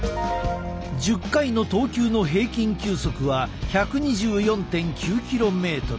１０回の投球の平均球速は１２４．９キロメートル。